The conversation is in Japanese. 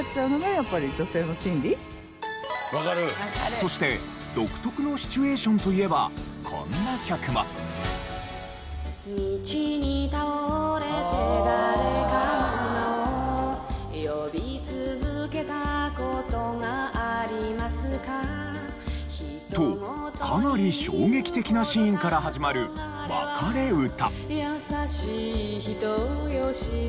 そして独特のシチュエーションといえばこんな曲も。とかなり衝撃的なシーンから始まる『わかれうた』。